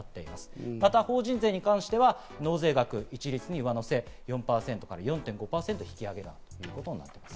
また法人税に関しては、納税額、一律に上乗せ、４％から４．５％引き上げという案ですね。